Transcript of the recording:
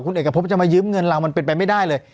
คุณเอกพบจะมายืมเงินเรามันเป็นไปไม่ได้เลย